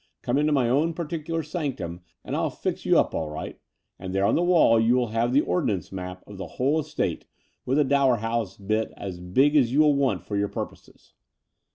" Come into my own particular sanctum, and I'll fix you up all right : and there on the wall you will have the ordnance map of the whol^ estate, with the Dower House bit as big as you will want for your purposes."